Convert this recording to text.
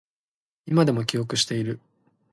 今でも記憶している